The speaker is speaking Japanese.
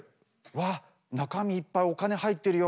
わあ中身いっぱいお金入ってるよ